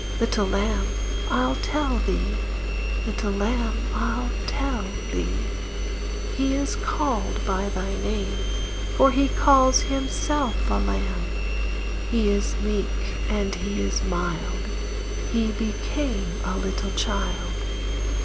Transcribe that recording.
Little Lamb, I'll tell thee, Little Lamb, I'll tell thee, He is called by thy name, For he calls himself a Lamb. He is meek, & he is mild; He became a little child.